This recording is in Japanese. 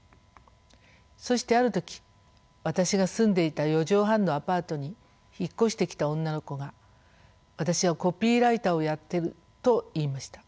そしてある時私が住んでいた四畳半のアパートに引っ越してきた女の子が「私はコピーライターをやってる」と言いました。